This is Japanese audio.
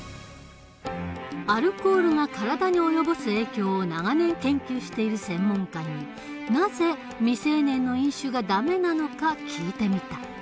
アルコールが体に及ぼす影響を長年研究している専門家になぜ未成年の飲酒がダメなのか聞いてみた。